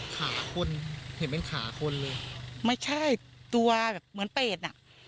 ขาคนเห็นเป็นขาคนเลยไม่ใช่ตัวแบบเหมือนเป็ดน่ะ